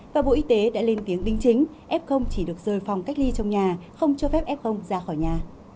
và bộ y tế đã lên tiếng đính chính f chỉ được rời phòng cách ly trong nhà không cho phép f ra khỏi nhà